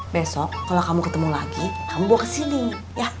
besok kalau kamu ketemu lagi kamu bawa kesini ya